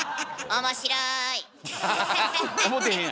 面白い。